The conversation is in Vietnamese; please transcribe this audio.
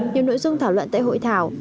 nhiều nội dung thảo luận tại hội thảo